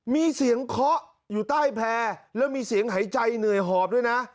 มีเสียงเคาะอยู่ใต้แพร่แล้วมีเสียงหายใจเหนื่อยหอบด้วยนะ